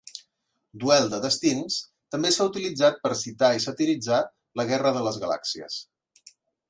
"Duel de destins" també s'ha utilitzat per citar i satiritzar "La guerra de les galàxies".